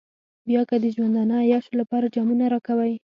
بيا که د ژوندانه عياشيو لپاره جامونه راکوئ.